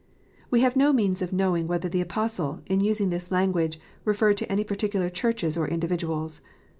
We have no means of knowing whether the Apostle, in using this language, referred to any particular Churches or individuals.